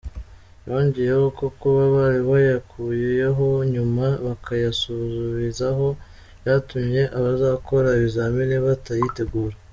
Yongeyeho ko kuba bari bayakuyeho nyuma bakayasubizaho byatumye abazakora ibizamini batayitegura.